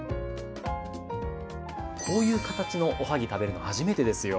こういう形のおはぎ食べるの初めてですよ。